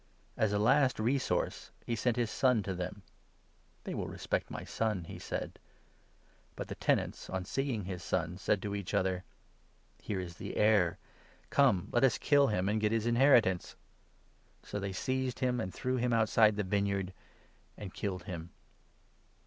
As a last resource he sent his son to them. ' They will 37 respect my son,' he said. But the tenants, on seeing his son, 38 said to each other ' Here is the heir ! Come, let us kill him, and get his inheritance.' So they seized him, and threw 39 him outside the vineyard, and killed him.